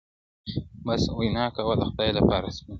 بس وینا کوه د خدای لپاره سپینه،